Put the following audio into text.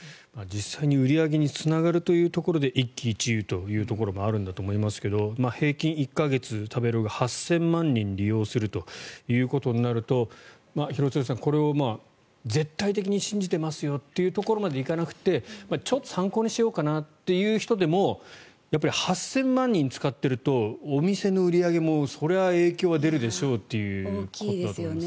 実際に売り上げにつながるというところで一喜一憂というところもあるんだと思いますが平均１か月食べログを８０００万人利用するということになると廣津留さん、これを絶対的に信じていますよというところまでいかなくてちょっと参考にしようかなっていう人でもやっぱり８０００万人使っているとお店の売り上げもそれは影響出るでしょうということだと思いますね。